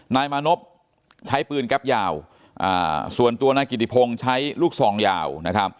นายมานพใช้ปืนแก๊ปยาวส่วนตัวนายกิติพงศ์ใช้ลูกซองยาวนะครับ